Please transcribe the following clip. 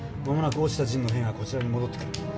まもなく落ちた陣の兵がこちらに戻ってくる。